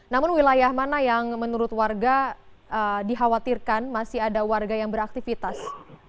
namun wilayah mana yang menurut warga dikhawatirkan masih ada warga yang beraktivitas